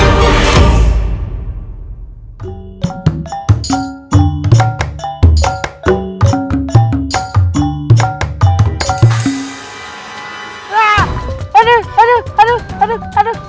aduh aduh aduh